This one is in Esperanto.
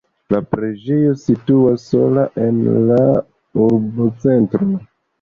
La preĝejo situas sola en la urbocentro.